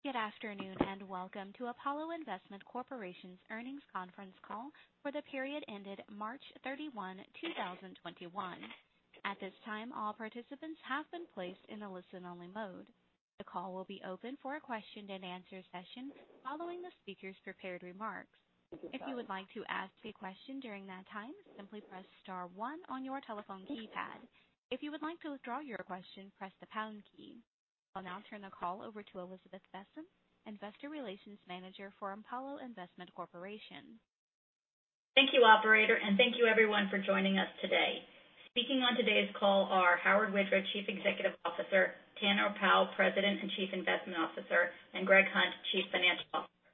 Good afternoon, and welcome to Apollo Investment Corporation's earnings conference call for the period ended March 31, 2021. I'll now turn the call over to Elizabeth Besen, Investor Relations Manager for Apollo Investment Corporation. Thank you, operator, and thank you, everyone, for joining us today. Speaking on today's call are Howard Widra, Chief Executive Officer, Tanner Powell, President and Chief Investment Officer, and Greg Hunt, Chief Financial Officer.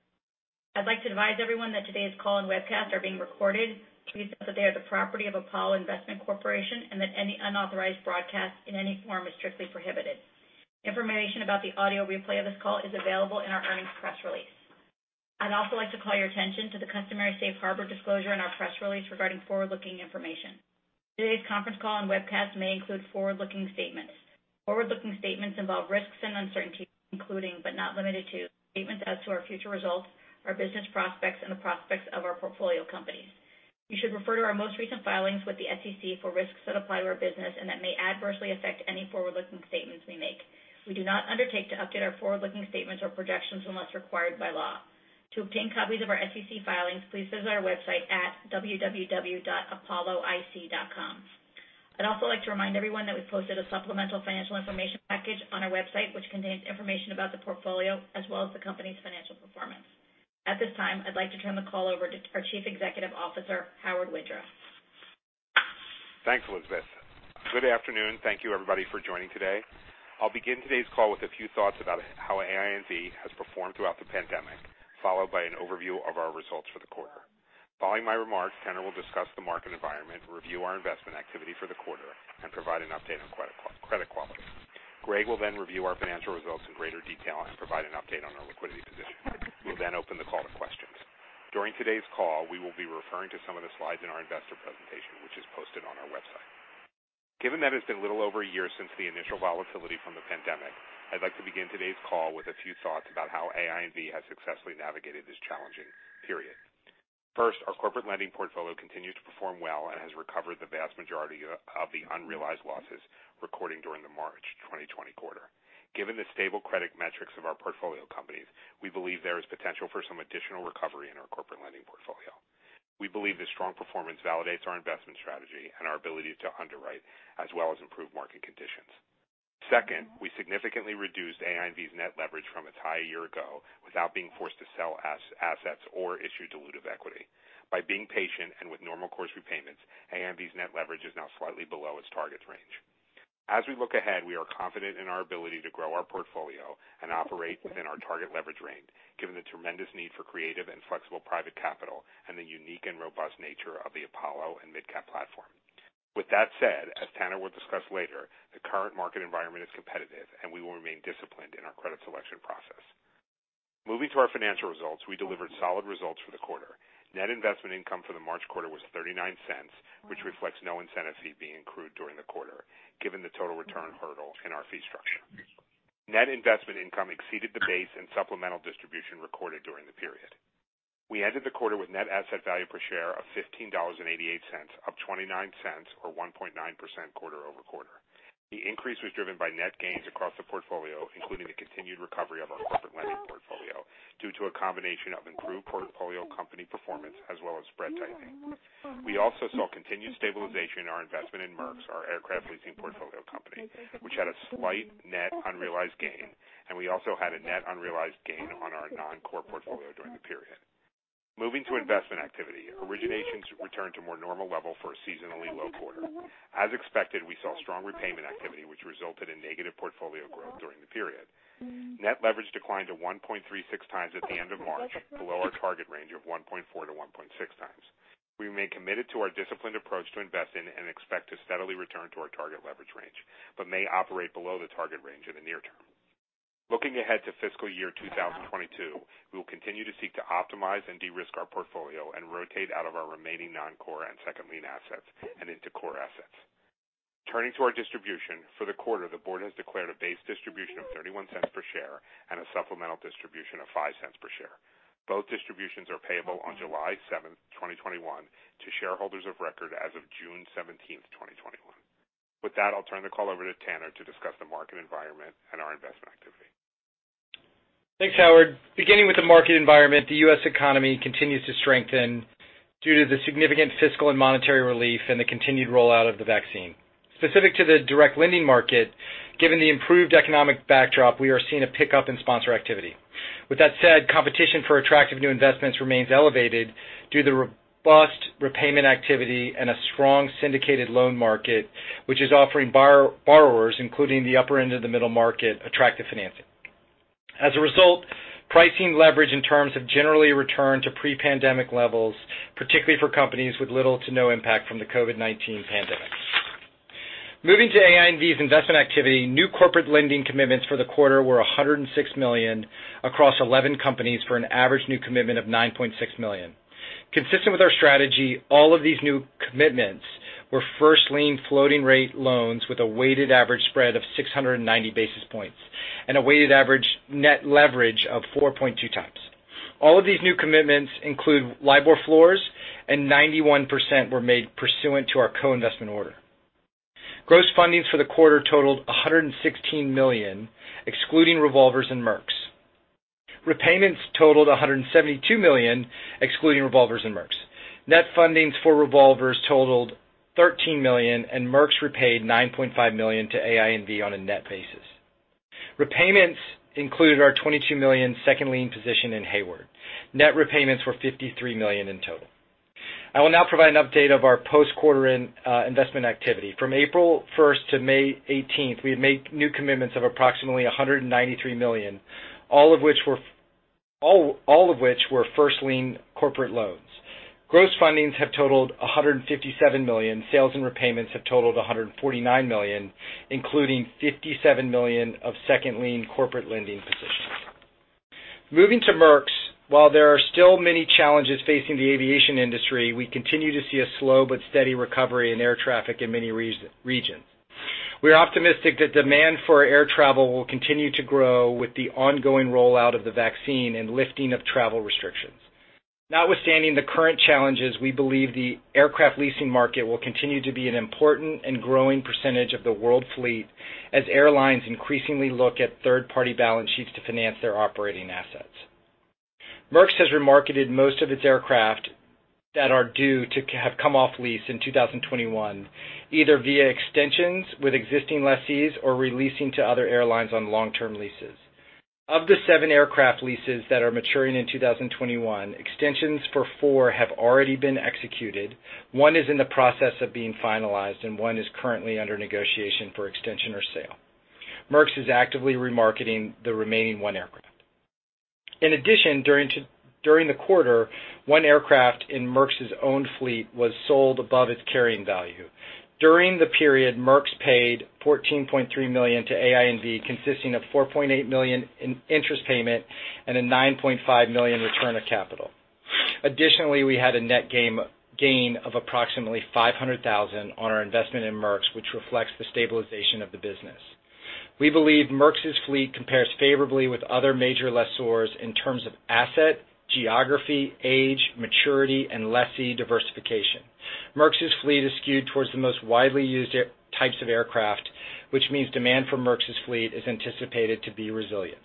I'd like to advise everyone that today's call and webcast are being recorded. Please note that they are the property of Apollo Investment Corporation and that any unauthorized broadcast in any form is strictly prohibited. Information about the audio replay of this call is available in our earnings press release. I'd also like to call your attention to the customary safe harbor disclosure in our press release regarding forward-looking information. Today's conference call and webcast may include forward-looking statements. Forward-looking statements involve risks and uncertainties, including but not limited to, statements as to our future results, our business prospects, and the prospects of our portfolio companies. You should refer to our most recent filings with the SEC for risks that apply to our business and that may adversely affect any forward-looking statements we make. We do not undertake to update our forward-looking statements or projections unless required by law. To obtain copies of our SEC filings, please visit our website at www.apolloic.com. I'd also like to remind everyone that we posted a supplemental financial information package on our website, which contains information about the portfolio as well as the company's financial performance. At this time, I'd like to turn the call over to our Chief Executive Officer, Howard Widra. Thanks, Elizabeth. Good afternoon. Thank you, everybody, for joining today. I'll begin today's call with a few thoughts about how AINV has performed throughout the pandemic, followed by an overview of our results for the quarter. Following my remarks, Tanner will discuss the market environment, review our investment activity for the quarter, and provide an update on credit quality. Greg will review our financial results in greater detail and provide an update on our liquidity position. We'll open the call to questions. During today's call, we will be referring to some of the slides in our investor presentation, which is posted on our website. Given that it's a little over a year since the initial volatility from the pandemic, I'd like to begin today's call with a few thoughts about how AINV has successfully navigated this challenging period. First, our corporate lending portfolio continues to perform well and has recovered the vast majority of the unrealized losses recorded during the March 2020 quarter. Given the stable credit metrics of our portfolio companies, we believe there is potential for some additional recovery in our corporate lending portfolio. Second, we significantly reduced AINV's net leverage from its high a year ago without being forced to sell assets or issue dilutive equity. By being patient and with normal course repayments, AINV's net leverage is now slightly below its target range. As we look ahead, we are confident in our ability to grow our portfolio and operate within our target leverage range, given the tremendous need for creative and flexible private capital and the unique and robust nature of the Apollo and MidCap platform. With that said, as Tanner will discuss later, the current market environment is competitive, and we will remain disciplined in our credit selection process. Moving to our financial results, we delivered solid results for the quarter. Net investment income for the March quarter was $0.39, which reflects no incentive fee being accrued during the quarter, given the total return hurdle in our fee structure. Net investment income exceeded the base and supplemental distribution recorded during the period. We ended the quarter with net asset value per share of $15.88, up $0.29, or 1.9% quarter-over-quarter. The increase was driven by net gains across the portfolio, including the continued recovery of our corporate lending portfolio, due to a combination of improved portfolio company performance as well as spread tightening. We also saw continued stabilization in our investment in MERX, our aircraft leasing portfolio company, which had a slight net unrealized gain. We also had a net unrealized gain on our non-core portfolio during the period. Moving to investment activity, originations returned to a more normal level for a seasonally low quarter. As expected, we saw strong repayment activity, which resulted in negative portfolio growth during the period. Net leverage declined to 1.36x at the end of March, below our target range of 1.4 to 1.6x. We remain committed to our disciplined approach to investing and expect to steadily return to our target leverage range, but may operate below the target range in the near term. Looking ahead to fiscal year 2022, we will continue to seek to optimize and de-risk our portfolio and rotate out of our remaining non-core and second lien assets and into core assets. Turning to our distribution, for the quarter, the board has declared a base distribution of $0.31 per share and a supplemental distribution of $0.05 per share. Both distributions are payable on July 7th, 2021, to shareholders of record as of June 17th, 2021. With that, I'll turn the call over to Tanner to discuss the market environment and our investment activity. Thanks, Howard. Beginning with the market environment, the U.S. economy continues to strengthen due to the significant fiscal and monetary relief and the continued rollout of the vaccine. Specific to the direct lending market, given the improved economic backdrop, we are seeing a pickup in sponsor activity. With that said, competition for attractive new investments remains elevated due to the robust repayment activity and a strong syndicated loan market, which is offering borrowers, including the upper end of the middle market, attractive financing. As a result, pricing leverage in terms have generally returned to pre-pandemic levels, particularly for companies with little to no impact from the COVID-19 pandemic. Moving to AINV's investment activity, new corporate lending commitments for the quarter were $106 million across 11 companies for an average new commitment of $9.6 million. Consistent with our strategy, all of these new commitments were first lien floating rate loans with a weighted average spread of 690 basis points and a weighted average net leverage of 4.2x. All of these new commitments include LIBOR floors. 91% were made pursuant to our co-investment order. Gross funding for the quarter totaled $116 million, excluding revolvers and Merx. Repayments totaled $172 million, excluding revolvers and Merx. Net fundings for revolvers totaled $13 million. Merx repaid $9.5 million to AIMD on a net basis. Repayments included our $22 million second lien position in Hayward. Net repayments were $53 million in total. I will now provide an update of our post-quarter investment activity. From April 1st to May 18th, we made new commitments of approximately $193 million, all of which were first lien corporate loans. Gross fundings have totaled $157 million. Sales and repayments have totaled $149 million, including $57 million of second lien corporate lending positions. Moving to Merx, while there are still many challenges facing the aviation industry, we continue to see a slow but steady recovery in air traffic in many regions. We are optimistic that demand for air travel will continue to grow with the ongoing rollout of the vaccine and lifting of travel restrictions. Notwithstanding the current challenges, we believe the aircraft leasing market will continue to be an important and growing percentage of the world fleet as airlines increasingly look at third-party balance sheets to finance their operating assets. Merx has remarketed most of its aircraft that are due to have come off lease in 2021, either via extensions with existing lessees or re-leasing to other airlines on long-term leases. Of the seven aircraft leases that are maturing in 2021, extensions for four have already been executed, one is in the process of being finalized, and one is currently under negotiation for extension or sale. Merx is actively remarketing the remaining one aircraft. In addition, during the quarter, one aircraft in Merx's own fleet was sold above its carrying value. During the period, Merx paid $14.3 million to AIMD, consisting of $4.8 million in interest payment and a $9.5 million return of capital. Additionally, we had a net gain of approximately $500,000 on our investment in Merx, which reflects the stabilization of the business. We believe Merx's fleet compares favorably with other major lessors in terms of asset, geography, age, maturity, and lessee diversification. Merx's fleet is skewed towards the most widely used types of aircraft, which means demand for Merx's fleet is anticipated to be resilient.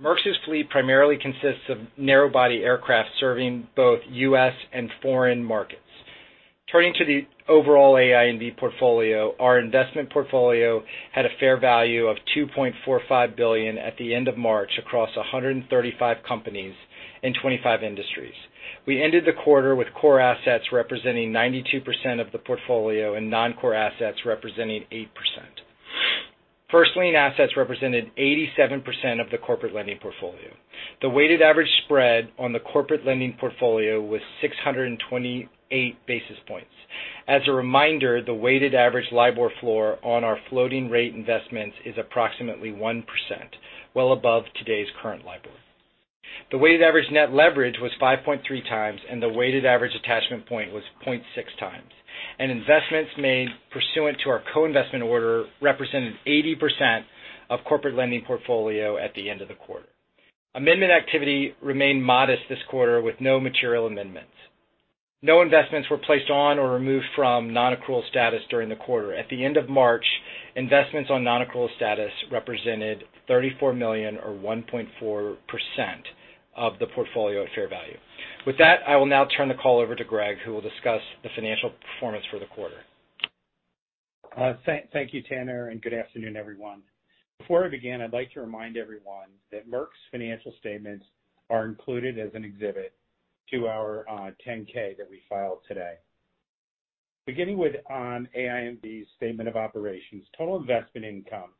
Merx's fleet primarily consists of narrow-body aircraft serving both U.S. and foreign markets. Turning to the overall AINV portfolio, our investment portfolio had a fair value of $2.45 billion at the end of March across 135 companies in 25 industries. We ended the quarter with core assets representing 92% of the portfolio and non-core assets representing 8%. First lien assets represented 87% of the corporate lending portfolio. The weighted average spread on the corporate lending portfolio was 628 basis points. As a reminder, the weighted average LIBOR floor on our floating rate investments is approximately 1%, well above today's current LIBOR. The weighted average net leverage was 5.3x, and the weighted average attachment point was 0.6x. Investments made pursuant to our co-investment order represented 80% of corporate lending portfolio at the end of the quarter. Amendment activity remained modest this quarter with no material amendments. No investments were placed on or removed from non-accrual status during the quarter. At the end of March, investments on non-accrual status represented $34 million, or 1.4%, of the portfolio at fair value. With that, I will now turn the call over to Greg, who will discuss the financial performance for the quarter. Thank you, Tanner, and good afternoon, everyone. Before I begin, I'd like to remind everyone that Merx Financial Statements are included as an exhibit to our 10-K that we filed today. Beginning with AINV's statement of operations, total investment income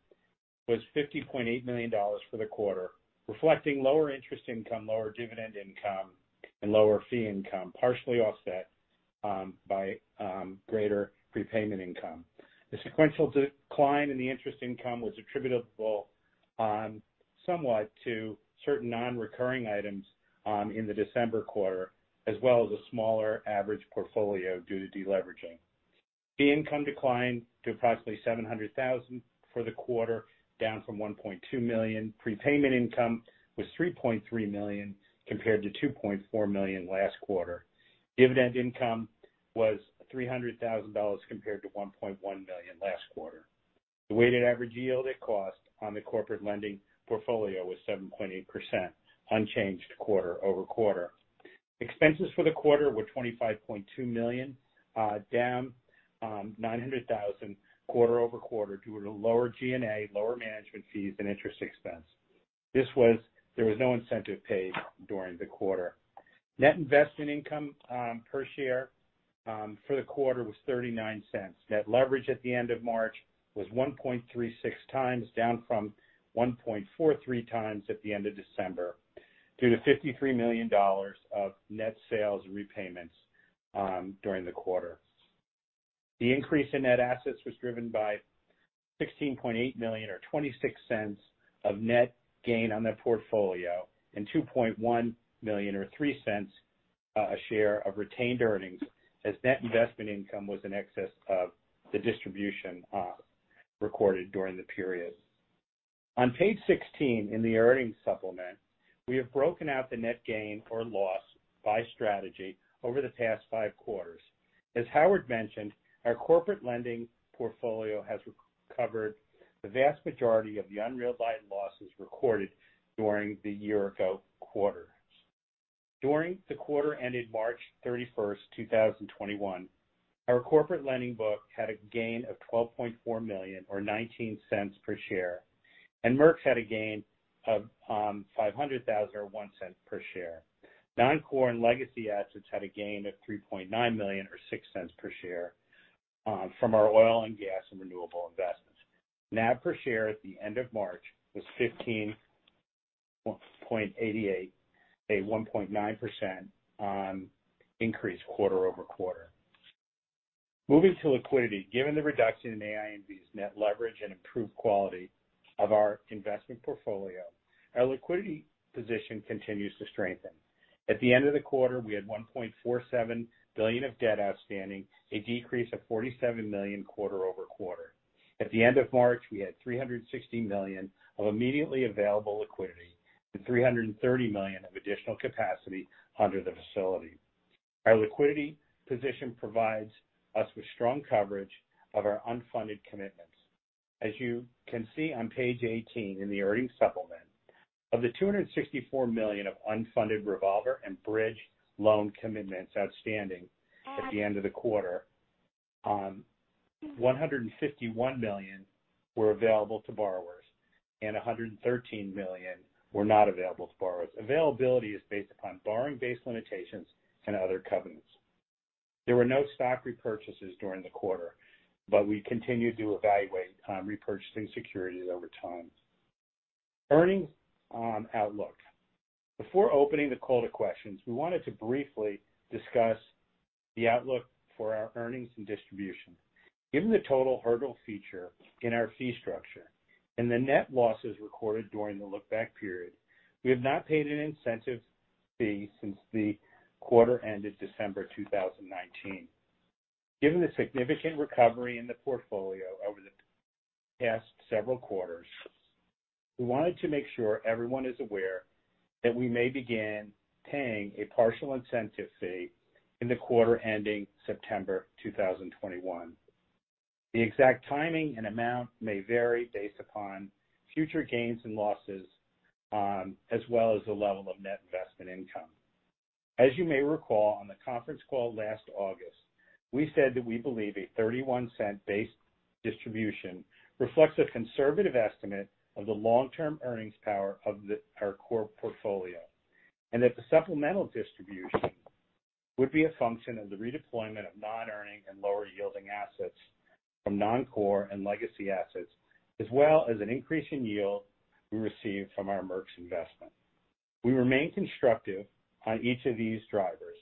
was $50.8 million for the quarter, reflecting lower interest income, lower dividend income, and lower fee income, partially offset by greater prepayment income. The sequential decline in the interest income was attributable somewhat to certain non-recurring items in the December quarter, as well as a smaller average portfolio due to deleveraging. Fee income declined to approximately $700,000 for the quarter, down from $1.2 million. Prepayment income was $3.3 million compared to $2.4 million last quarter. Dividend income was $300,000 compared to $1.1 million last quarter. The weighted average yield it cost on the corporate lending portfolio was 7.8%, unchanged quarter-over-quarter. Expenses for the quarter were $25.2 million, down $900,000 quarter-over-quarter due to lower G&A, lower management fees, and interest expense. There was no incentive paid during the quarter. Net investment income per share for the quarter was $0.39. Net leverage at the end of March was 1.36x, down from 1.43x at the end of December due to $53 million of net sales repayments during the quarter. The increase in net assets was driven by $16.8 million, or $0.26 of net gain on the portfolio, and $2.1 million, or $0.03 a share of retained earnings as net investment income was in excess of the distribution recorded during the period. On page 16 in the earnings supplement, we have broken out the net gain or loss by strategy over the past five quarters. As Howard mentioned, our corporate lending portfolio has recovered the vast majority of the unrealized losses recorded during the year-ago quarter. During the quarter ended March 31, 2021, our corporate lending book had a gain of $12.4 million or $0.19 per share, and Merx had a gain of $500,000, or $0.01 per share. Non-core and legacy assets had a gain of $3.9 million or $0.06 per share from our oil and gas and renewable investments. NAV per share at the end of March was $15.88, a 1.9% increase quarter-over-quarter. Moving to liquidity. Given the reduction in AINV's net leverage and improved quality of our investment portfolio, our liquidity position continues to strengthen. At the end of the quarter, we had $1.47 billion of debt outstanding, a decrease of $47 million quarter-over-quarter. At the end of March, we had $360 million of immediately available liquidity and $330 million of additional capacity under the facility. Our liquidity position provides us with strong coverage of our unfunded commitments. As you can see on page 18 in the earnings supplement, of the $264 million of unfunded revolver and bridge loan commitments outstanding at the end of the quarter, $151 million were available to borrowers and $113 million were not available to borrowers. Availability is based upon borrowing base limitations and other covenants. There were no stock repurchases during the quarter, but we continue to evaluate repurchasing securities over time. Earnings outlook. Before opening the call to questions, we wanted to briefly discuss the outlook for our earnings and distribution. Given the total hurdle feature in our fee structure and the net losses recorded during the look-back period, we have not paid an incentive fee since the quarter ended December 2019. Given the significant recovery in the portfolio over the past several quarters, we wanted to make sure everyone is aware that we may begin paying a partial incentive fee in the quarter ending September 2021. The exact timing and amount may vary based upon future gains and losses, as well as the level of net investment income. As you may recall, on the conference call last August, we said that we believe a $0.31 base distribution reflects a conservative estimate of the long-term earnings power of our core portfolio, and that the supplemental distribution would be a function of the redeployment of non-earning and lower yielding assets from non-core and legacy assets, as well as an increase in yield we receive from our Merx's investment. We remain constructive on each of these drivers,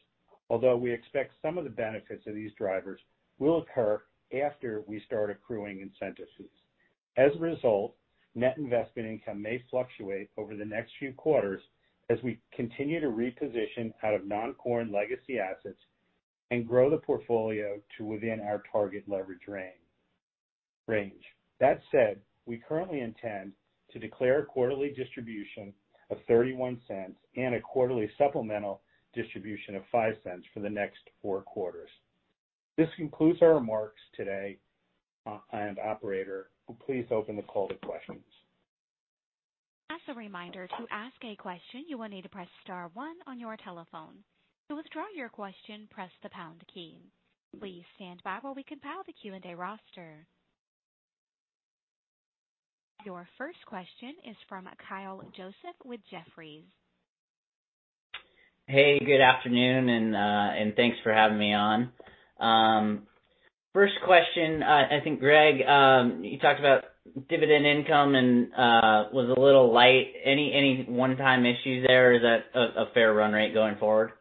although we expect some of the benefits of these drivers will occur after we start accruing incentive fees. As a result, net investment income may fluctuate over the next few quarters as we continue to reposition out of non-core and legacy assets and grow the portfolio to within our target leverage range. That said, we currently intend to declare a quarterly distribution of $0.31 and a quarterly supplemental distribution of $0.05 for the next four quarters. This concludes our remarks today. Operator, please open the call to questions. As a reminder, to ask a question, you will need to press star one on your telephone. To withdraw your question, press the pound key. Your first question is from Kyle Joseph with Jefferies. Hey, good afternoon, thanks for having me on. First question. I think, Greg, you talked about dividend income and was a little light. Any one-time issue there? Is that a fair run rate going forward?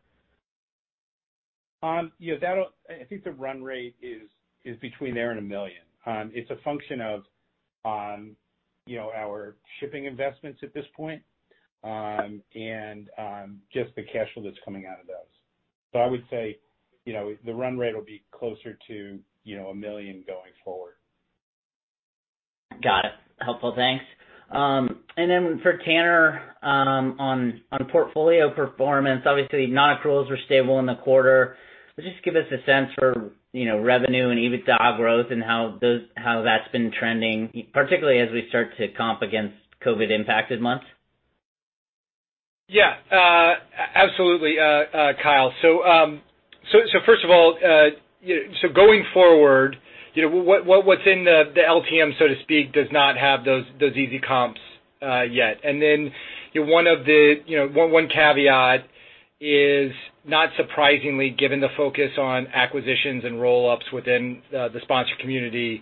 Yeah, I think the run rate is between there and $1 million. It's a function of our shipping investments at this point and just the cash flow that's coming out of those. I would say the run rate will be closer to $1 million going forward. Got it. Helpful. Thanks. For Tanner, on portfolio performance, obviously non-core were stable in the quarter. Just give us a sense for revenue and EBITDA growth and how that's been trending, particularly as we start to comp against COVID impacted months. Yeah. Absolutely, Kyle. First of all, going forward, what's in the LTM, so to speak, does not have those easy comps yet. One caveat is not surprisingly, given the focus on acquisitions and roll-ups within the sponsor community,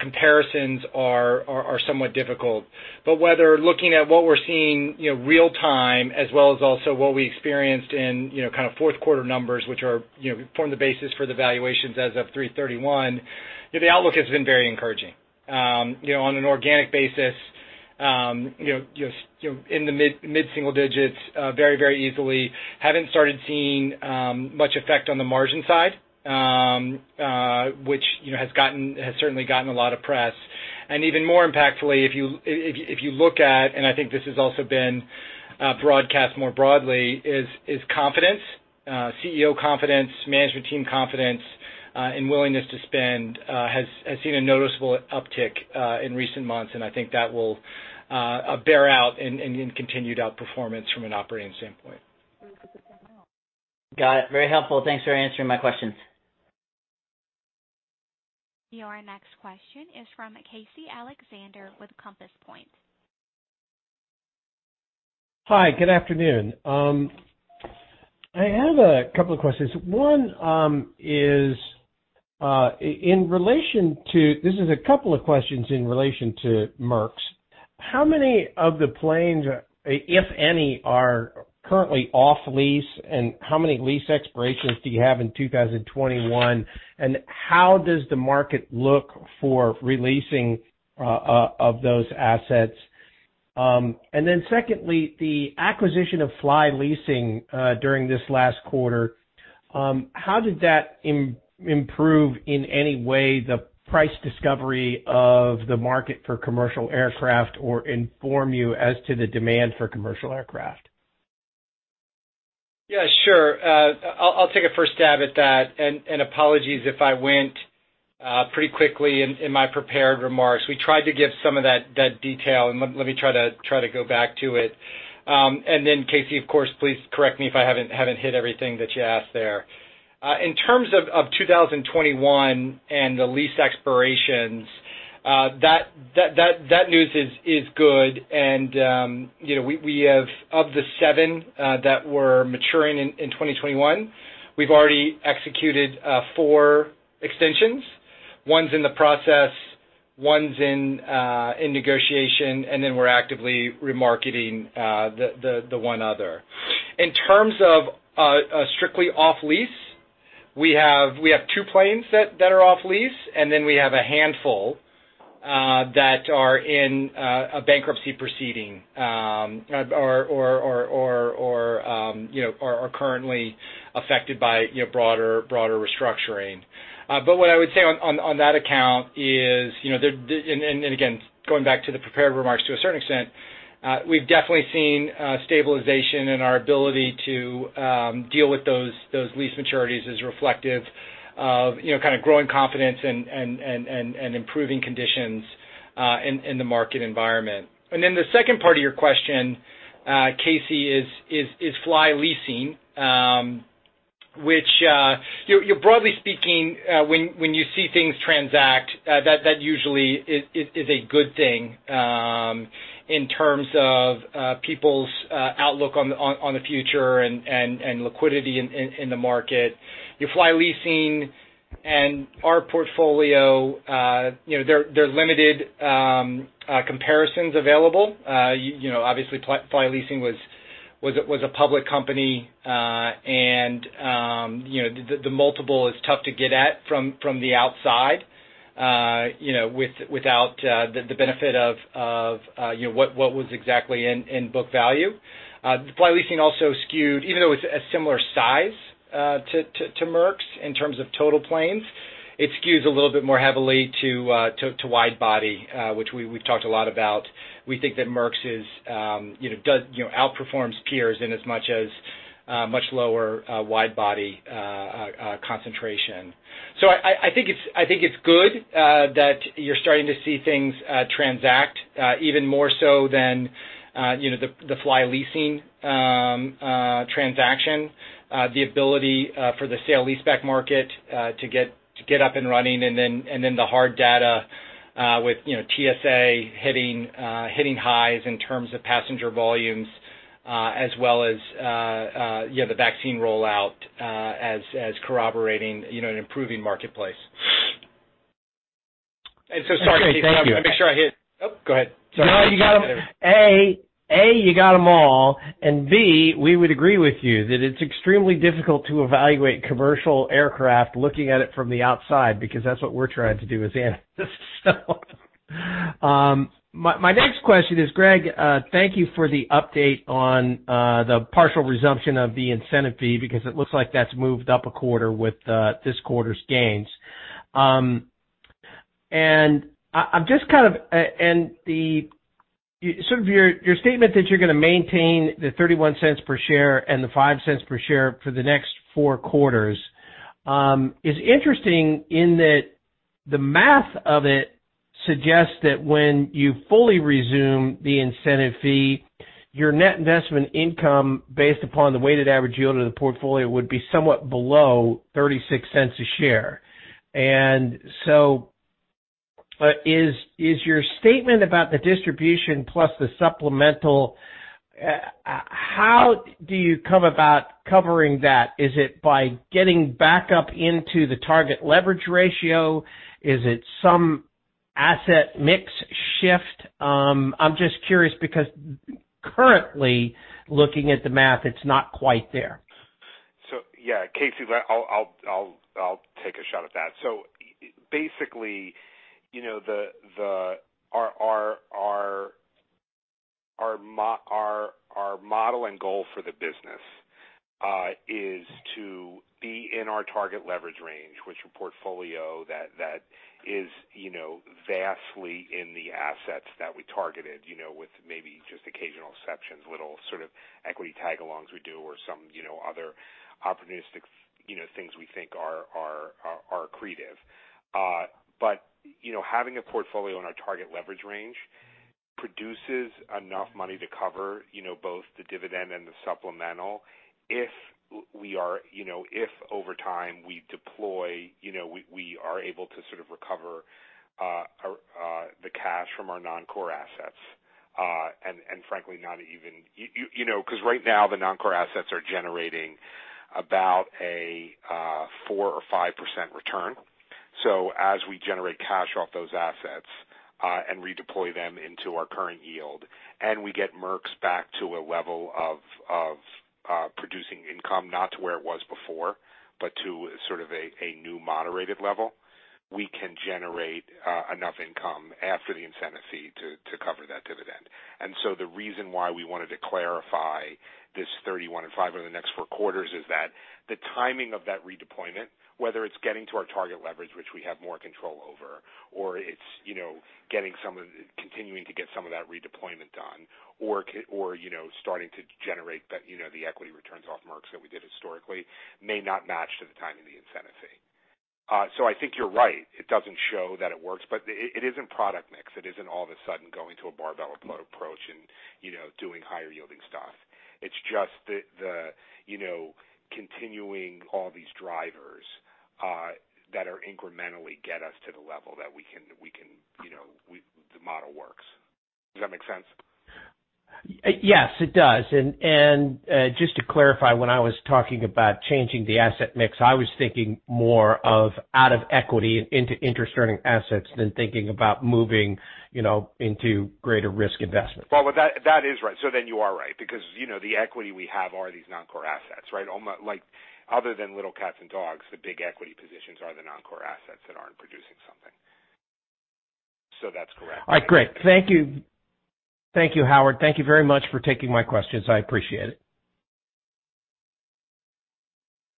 comparisons are somewhat difficult. Whether looking at what we're seeing real-time as well as also what we experienced in kind of fourth quarter numbers, which form the basis for the valuations as of 3/31, the outlook has been very encouraging. On an organic basis. In the mid-single digits very easily. Haven't started seeing much effect on the margin side, which has certainly gotten a lot of press. Even more impactfully, if you look at, and I think this has also been broadcast more broadly, is confidence. CEO confidence, management team confidence, and willingness to spend has seen a noticeable uptick in recent months, and I think that will bear out in continued outperformance from an operating standpoint. Got it. Very helpful. Thanks for answering my questions. Your next question is from Casey Alexander with Compass Point. Hi, good afternoon. I have a couple questions. One is, this is a couple of questions in relation to Merx. How many of the planes, if any, are currently off lease, and how many lease expirations do you have in 2021, and how does the market look for releasing of those assets? Secondly, the acquisition of Fly Leasing during this last quarter, how did that improve in any way the price discovery of the market for commercial aircraft or inform you as to the demand for commercial aircraft? Yeah, sure. I'll take a first stab at that. Apologies if I went pretty quickly in my prepared remarks. We tried to give some of that detail. Let me try to go back to it. Casey, of course, please correct me if I haven't hit everything that you asked there. In terms of 2021 and the lease expirations, that news is good. Of the seven that were maturing in 2021, we've already executed four extensions. One's in the process, one's in negotiation. We're actively remarketing the one other. In terms of strictly off lease, we have two planes that are off lease. We have a handful that are in a bankruptcy proceeding or are currently affected by broader restructuring. What I would say on that account is, and again, going back to the prepared remarks to a certain extent, we've definitely seen stabilization in our ability to deal with those lease maturities as reflective of growing confidence and improving conditions in the market environment. The second part of your question, Casey, is Fly Leasing, which broadly speaking, when you see things transact, that usually is a good thing in terms of people's outlook on the future and liquidity in the market. Fly Leasing and our portfolio, there are limited comparisons available. Obviously, Fly Leasing was a public company, and the multiple is tough to get at from the outside without the benefit of what was exactly in book value. Fly Leasing also skewed, even though it's a similar size to Merx in terms of total planes, it skewed a little bit more heavily to wide body which we've talked a lot about. We think that Merx outperforms peers in as much as much lower wide-body concentration. I think it's good that you're starting to see things transact even more so than the Fly Leasing transaction. The ability for the sale-leaseback market to get up and running, and then the hard data with TSA hitting highs in terms of passenger volumes as well as the vaccine rollout as corroborating an improving marketplace. Sorry, Casey. I'm not sure I hit. Oh, go ahead. Sorry. No, you got them. A, you got them all, and B, we would agree with you that it is extremely difficult to evaluate commercial aircraft looking at it from the outside, because that is what we are trying to do as analysts. My next question is, Greg, thank you for the update on the partial resumption of the incentive fee, because it looks like that has moved up a quarter with this quarter's gains. Your statement that you are going to maintain the $0.31 per share and the $0.05 per share for the next four quarters is interesting in that the math of it suggests that when you fully resume the incentive fee, your net investment income based upon the weighted average yield of the portfolio would be somewhat below $0.36 a share. Is your statement about the distribution plus the supplemental, how do you come about covering that? Is it by getting back up into the target leverage ratio? Is it some asset mix shift? I'm just curious because currently looking at the math, it's not quite there. Yeah, Casey, I'll take a shot at that. Basically, our model and goal for the business is to be in our target leverage range, which a portfolio that is vastly in the assets that we targeted with maybe just occasional exceptions, little sort of equity tag-alongs we do or some other opportunistic things we think are accretive. Having a portfolio in our target leverage range produces enough money to cover both the dividend and the supplemental. If over time we deploy, we are able to sort of recover the cash from our non-core assets. Because right now, the non-core assets are generating about a 4% or 5% return. As we generate cash off those assets and redeploy them into our current yield, and we get Merx back to a level of producing income, not to where it was before, but to sort of a new moderated level, we can generate enough income after the incentive fee to cover that dividend. The reason why we wanted to clarify this 31 and five over the next four quarters is that the timing of that redeployment, whether it's getting to our target leverage, which we have more control over, or it's continuing to get some of that redeployment done or starting to generate the equity returns off Merx that we did historically may not match to the timing of the incentive fee. I think you're right. It doesn't show that it works, but it isn't product mix. It isn't all of a sudden going to a barbell upload approach and doing higher yielding stuff. It's just the continuing all these drivers that are incrementally get us to the level that the model works. Does that make sense? Yes, it does. Just to clarify, when I was talking about changing the asset mix, I was thinking more of out of equity and into interest-earning assets than thinking about moving into greater risk investments. That is right. You are right because the equity we have are these non-core assets, right? Other than Little cats and dogs, the big equity positions are the non-core assets that aren't producing something. That's correct. All right, great. Thank you, Howard. Thank you very much for taking my questions. I appreciate it.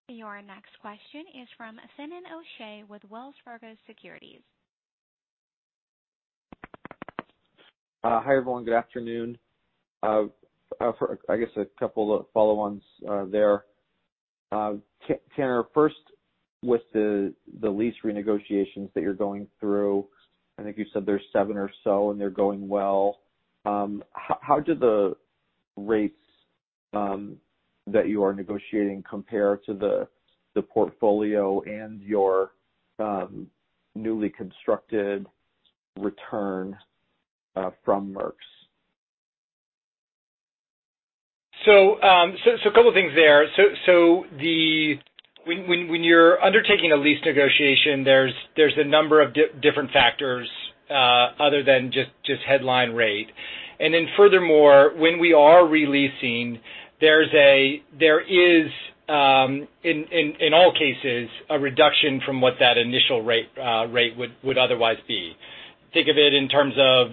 Your next question is from Finian O'Shea with Wells Fargo Securities. Hi, everyone. Good afternoon. I guess a couple of follow-ons there. Tanner, first, with the lease renegotiations that you're going through, I think you said there's seven or so, and they're going well. How do the rates that you are negotiating compare to the portfolio and your newly constructed return from Merx? A couple of things there. When you're undertaking a lease negotiation, there's a number of different factors other than just headline rate. Furthermore, when we are re-leasing, there is in all cases, a reduction from what that initial rate would otherwise be. Think of it in terms of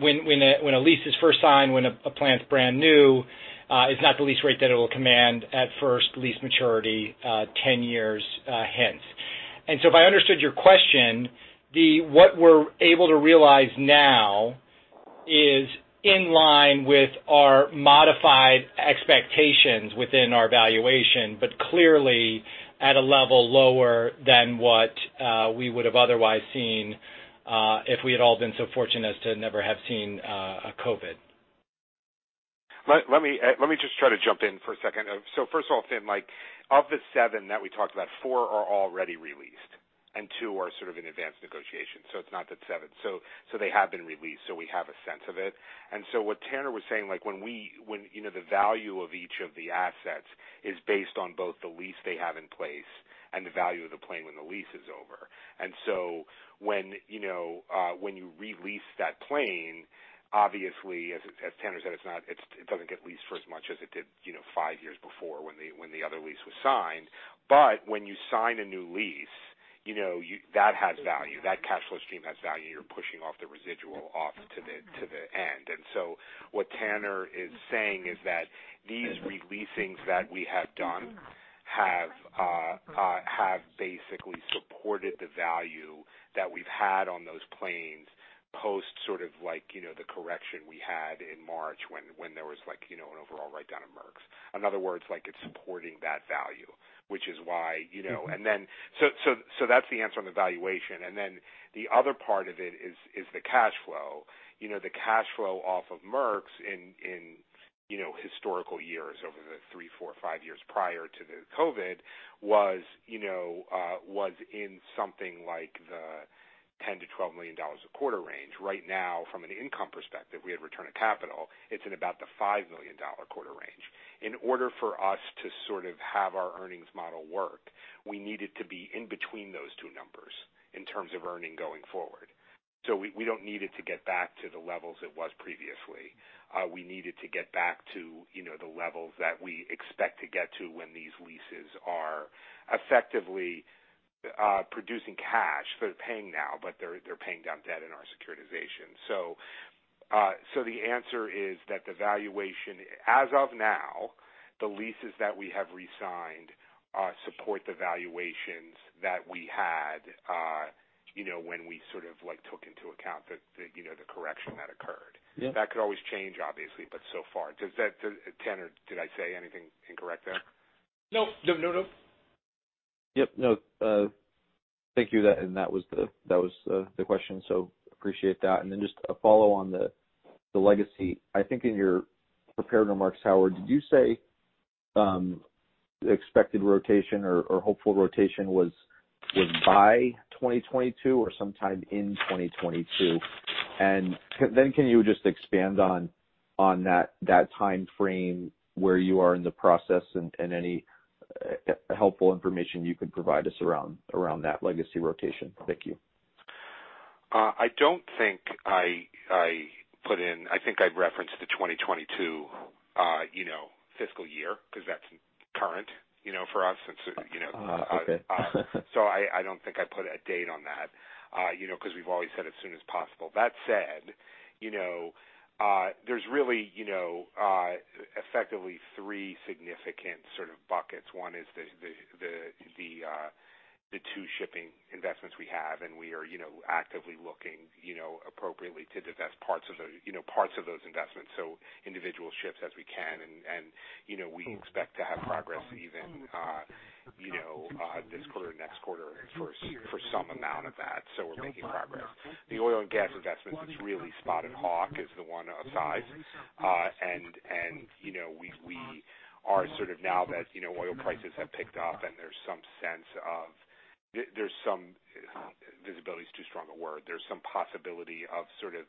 when a lease is first signed, when a plane's brand new, it's not the lease rate that it will command at first lease maturity 10 years hence. If I understood your question, what we're able to realize now is in line with our modified expectations within our valuation, but clearly at a level lower than what we would have otherwise seen if we had all been so fortunate as to never have seen COVID. Let me just try to jump in for a second. First off, Finn, of the seven that we talked about, four are already re-leased and two are sort of in advanced negotiation. It's not that seven. They have been re-leased, so we have a sense of it. What Tanner was saying, the value of each of the assets is based on both the lease they have in place and the value of the plane when the lease is over. When you re-lease that plane, obviously, as Tanner said, it doesn't get leased for as much as it did five years before when the other lease was signed. When you sign a new lease, that has value. That cash flow stream has value. You're pushing off the residual off to the end. What Tanner is saying is that these re-leasings that we have done have basically supported the value that we've had on those planes post sort of the correction we had in March when there was an overall write-down of Merx. In other words, it's supporting that value, which is why. That's the answer on the valuation. The other part of it is the cash flow. The cash flow off of Merx in historical years over the three, four, five years prior to the COVID was in something like the $10 million-$12 million a quarter range. Right now, from an income perspective, we have return on capital. It's in about the $5 million quarter range. In order for us to sort of have our earnings model work, we need it to be in between those two numbers in terms of earning going forward. We don't need it to get back to the levels it was previously. We need it to get back to the levels that we expect to get to when these leases are effectively producing cash. They're paying now, but they're paying down debt in our securitization. The answer is that the valuation, as of now, the leases that we have resigned support the valuations that we had when we took into account the correction that occurred. Yeah. That could always change, obviously, but so far. Tanner, did I say anything incorrect there? No. No? Yep, no. Thank you. That was the question. Appreciate that. Just a follow on the legacy. I think in your prepared remarks, Howard Widra, you say expected rotation or hopeful rotation was by 2022 or sometime in 2022. Can you just expand on that timeframe, where you are in the process and any helpful information you can provide us around that legacy rotation? Thank you. I don't think I referenced the 2022 fiscal year because that's current for us since. Okay. I don't think I put a date on that because we've always said as soon as possible. That said, there's really effectively three significant sort of buckets. One is the two shipping investments we have, and we are actively looking appropriately to divest parts of those investments, so individual ships as we can. We expect to have progress even this quarter or next quarter for some amount of that. We're making progress. The oil and gas investments is really Spotted Hawk is the one upside. We are sort of now that oil prices have picked up and there's some sense of visibility is too strong a word. There's some possibility of sort of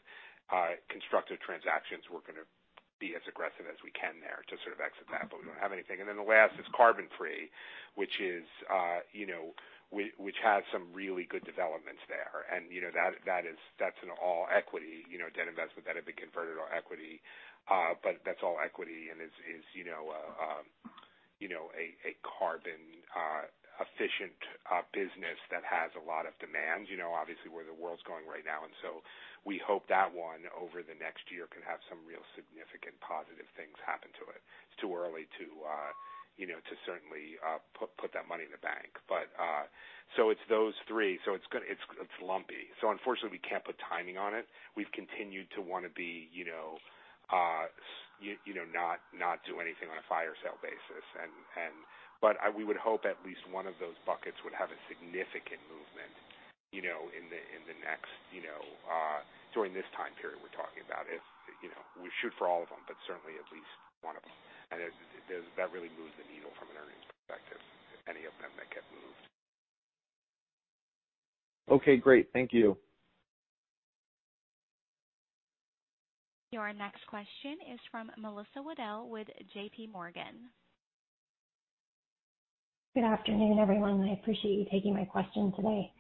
constructive transactions. We're going to be as aggressive as we can there to exit that, but we don't have anything. The last is Carbonfree, which had some really good developments there. That's an all equity debt investment that had been converted on equity. That's all equity and is a carbon-efficient business that has a lot of demand, obviously, where the world's going right now. We hope that one over the next year can have some real significant positive things happen to it. It's too early to certainly put that money in the bank. It's those three. It's lumpy. Unfortunately, we can't put timing on it. We've continued to want to be, not do anything on a fire sale basis. We would hope at least one of those buckets would have a significant movement during this time period we're talking about. We should for all of them, but certainly at least one of them, and that really moves the needle from an earnings perspective. Okay, great. Thank you. Your next question is from Melissa Wedel with JPMorgan. Good afternoon, everyone. I appreciate you taking my question today.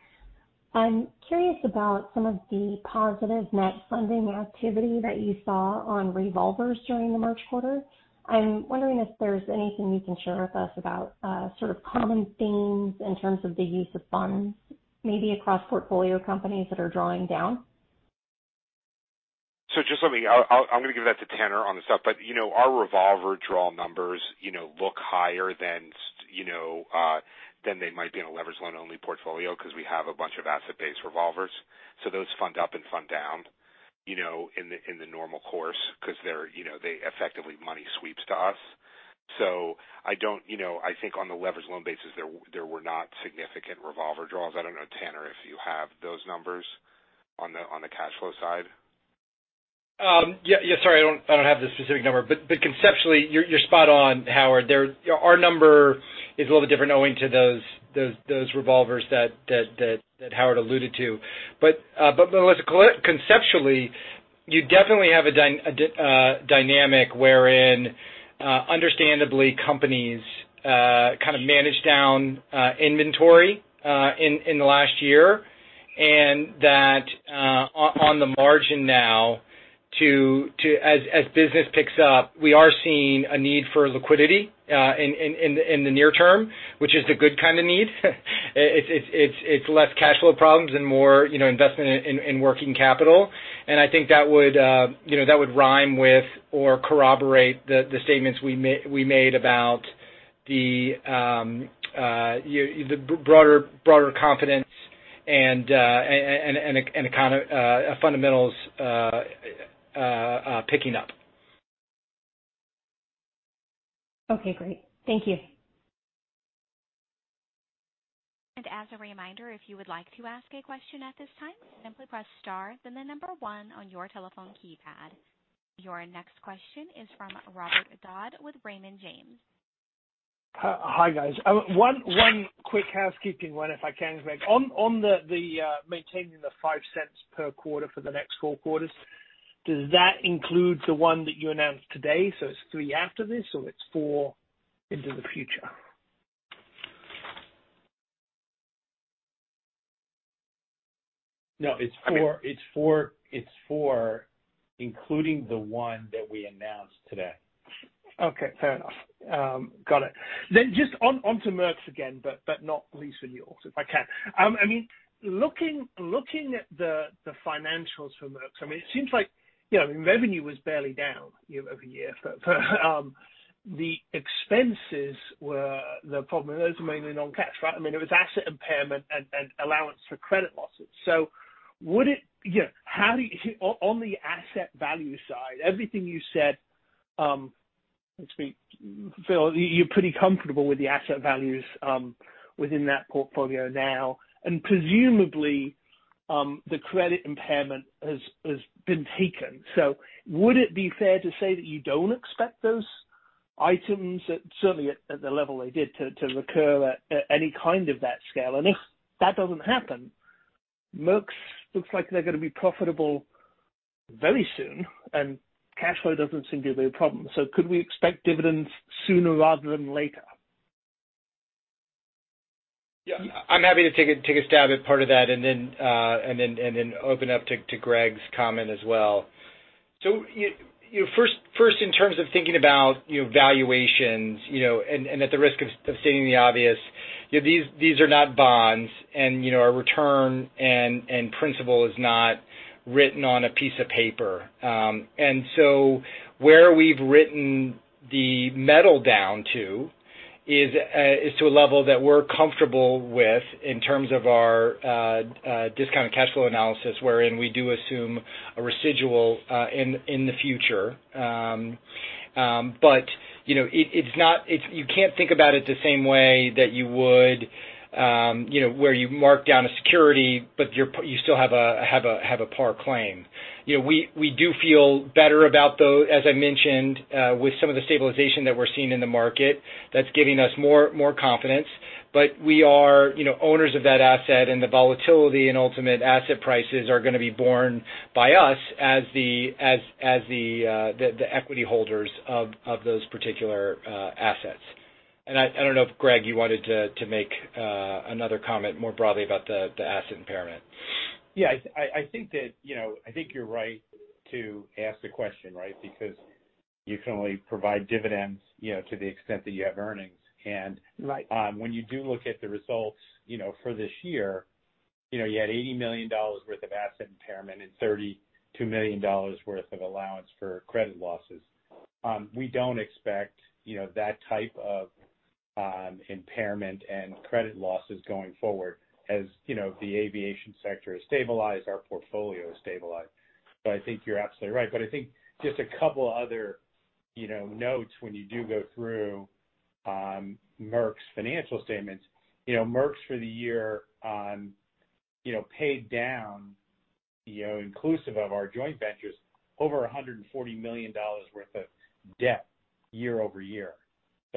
I'm curious about some of the positive net funding activity that you saw on revolvers during the March quarter. I'm wondering if there's anything you can share with us about sort of common themes in terms of the use of funds, maybe across portfolio companies that are drawing down. I'm going to give that to Tanner on this stuff. Our revolver draw numbers look higher than they might be in a leverage loan-only portfolio because we have a bunch of asset-based revolvers. Those fund up and fund down in the normal course because they effectively money sweep to us. I don't know, Tanner, if you have those numbers on the cash flow side. Yeah, sorry, I don't have the specific number, but conceptually, you're spot on, Howard. Our number is a little different owing to those revolvers that Howard alluded to. Conceptually, you definitely have a dynamic wherein understandably, companies kind of managed down inventory in the last year, and that on the margin as business picks up, we are seeing a need for liquidity in the near term, which is a good kind of need. It's less cash flow problems and more investment in working capital. I think that would rhyme with or corroborate the statements we made about the broader confidence and kind of fundamentals picking up. Okay, great. Thank you. As a reminder, if you would like to ask a question at this time, simply press star then the number one on your telephone keypad. Your next question is from Robert Dodd with Raymond James. Hi guys. One quick housekeeping one, if I can, Greg. On the maintaining the $0.05 per quarter for the next four quarters, does that include the one that you announced today? It's three after this, or it's four into the future? No, it's four, including the one that we announced today. Okay, fair enough. Got it. Just onto Merx's again, but not leasing yields, if I can. Looking at the financials for Merx's, it seems like revenue was barely down year-over-year, but the expenses were the problem. Those are mainly non-cash, right? It was asset impairment and allowance for credit losses. On the asset value side, everything you said, it seems, Phil, you're pretty comfortable with the asset values within that portfolio now, and presumably, the credit impairment has been taken. Would it be fair to say that you don't expect those items at certainly at the level they did to recur at any kind of that scale? If that doesn't happen, Merx's looks like they're going to be profitable very soon, and cash flow doesn't seem to be a problem. Could we expect dividends sooner rather than later? Yeah. I'm happy to take a stab at part of that and then open up to Greg's comment as well. First, in terms of thinking about valuations, and at the risk of stating the obvious, these are not bonds, and our return and principle is not written on a piece of paper. Where we've written the model down to is to a level that we're comfortable with in terms of our discounted cash flow analysis, wherein we do assume a residual in the future. You can't think about it the same way that you would where you mark down a security, but you still have a par claim. We do feel better about those, as I mentioned, with some of the stabilization that we're seeing in the market. That's giving us more confidence. We are owners of that asset, and the volatility and ultimate asset prices are going to be borne by us as the equity holders of those particular assets. I don't know if, Greg, you wanted to make another comment more broadly about the asset impairment. Yeah, I think you're right to ask the question, because you can only provide dividends to the extent that you have earnings. Right. When you do look at the results for this year, you had $80 million worth of asset impairment and $32 million worth of allowance for credit losses. We don't expect that type of impairment and credit losses going forward. As the aviation sector is stabilized, our portfolio is stabilized. I think you're absolutely right. I think just a couple of other notes when you do go through Merx's financial statements. Merx's, for the year, paid down, inclusive of our joint ventures, over $140 million worth of debt year-over-year.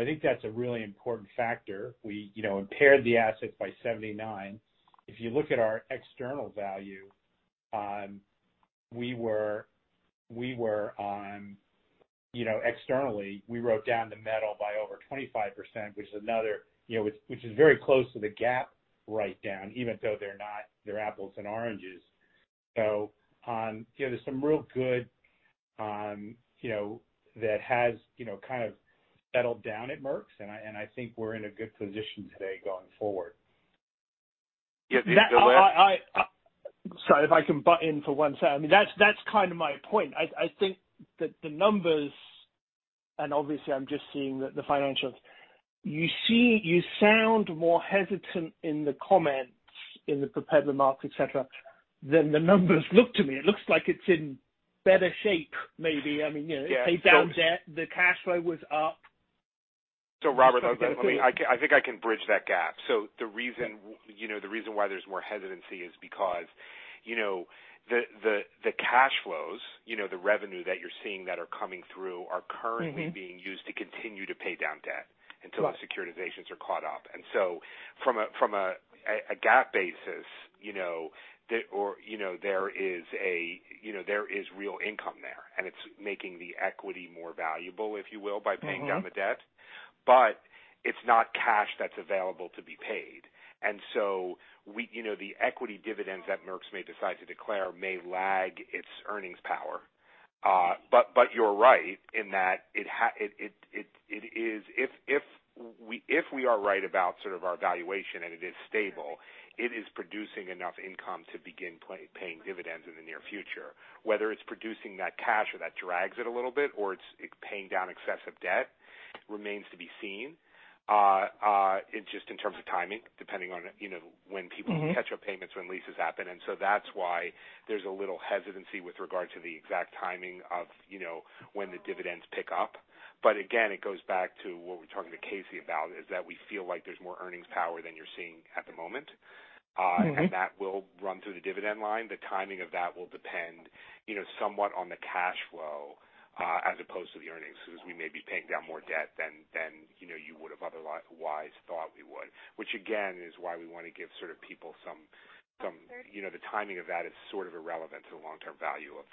I think that's a really important factor. We impaired the asset by 79. If you look at our external value, externally, we wrote down the metal by over 25%, which is very close to the GAAP write-down, even though they're apples and oranges. There's some real good that has kind of settled down at Merx's, and I think we're in a good position today going forward. Sorry, if I can butt in for one second. That's kind of my point. I think that the numbers, and obviously I'm just seeing the financials. You sound more hesitant in the comments in the prepared remarks, et cetera, than the numbers look to me. It looks like it's in better shape, maybe. They paid down debt. The cash flow was up. Robert, I think I can bridge that gap. The reason why there's more hesitancy is because the cash flows, the revenue that you're seeing that are coming through are currently being used to continue to pay down debt until our securitizations are caught up. From a GAAP basis, there is real income there, and it's making the equity more valuable, if you will, by paying down the debt. It's not cash that's available to be paid. The equity dividends that Merx's may decide to declare may lag its earnings power. You're right in that if we are right about our valuation and it is stable, it is producing enough income to begin paying dividends in the near future. Whether it's producing that cash or that drags it a little bit, or it's paying down excessive debt remains to be seen. It's just in terms of timing, depending on when people catch up payments, when leases happen. That's why there's a little hesitancy with regard to the exact timing of when the dividends pick up. Again, it goes back to what we were talking to Casey about, is that we feel like there's more earnings power than you're seeing at the moment. That will run through the dividend line. The timing of that will depend somewhat on the cash flow as opposed to the earnings, because we may be paying down more debt than you would have otherwise thought we would. Which again, is why we want to give people the timing of that is sort of irrelevant to the long-term value of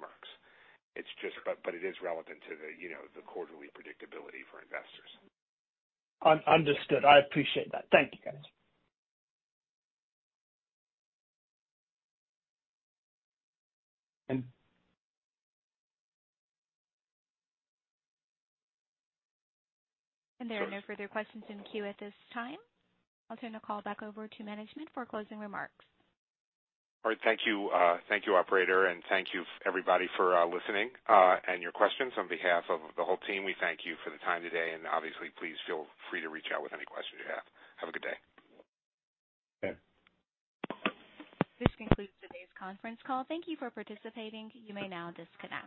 Merx's. It is relevant to the quarterly predictability for investors. Understood. I appreciate that. Thank you, guys. There are no further questions in queue at this time. I'll turn the call back over to management for closing remarks. All right. Thank you, operator, and thank you everybody for listening and your questions. On behalf of the whole team, we thank you for the time today, and obviously please feel free to reach out with any questions you have. Have a good day. Okay. This concludes today's conference call. Thank you for participating. You may now disconnect.